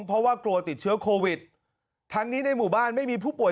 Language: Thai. เพราะว่ากลัวติดเชื้อโควิดทั้งนี้ในหมู่บ้านไม่มีผู้ป่วย